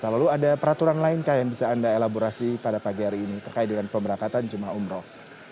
lalu ada peraturan lain yang bisa anda elaborasi pada pagi hari ini terkait dengan pemberangkatan jemaah umroh